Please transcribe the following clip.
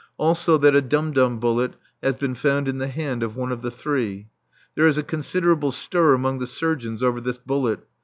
also that a dum dum bullet has been found in the hand of one of the three. There is a considerable stir among the surgeons over this bullet.